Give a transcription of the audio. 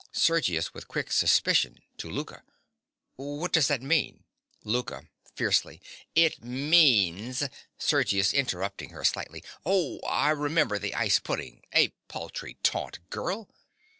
SERGIUS. (with quick suspicion—to Louka). What does that mean? LOUKA. (fiercely). It means— SERGIUS. (interrupting her slightingly). Oh, I remember, the ice pudding. A paltry taunt, girl.